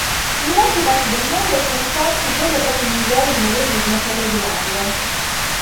In diverse parti del mondo sono sorti veri e propri "musei" di modellismo ferroviario.